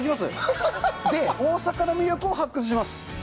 で、大阪の魅力を発掘します。